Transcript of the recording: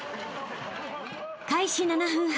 ［開始７分半。